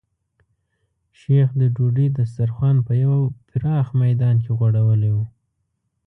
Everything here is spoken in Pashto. شیخ د ډوډۍ دسترخوان په یو پراخ میدان کې غوړولی و.